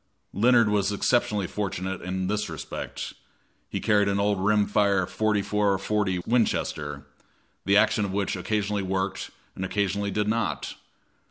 Leonard was exceptionally fortunate in this respect; he carried an old rim fire .44 40 Winchester, the action of which occasionally worked and occasionally did not.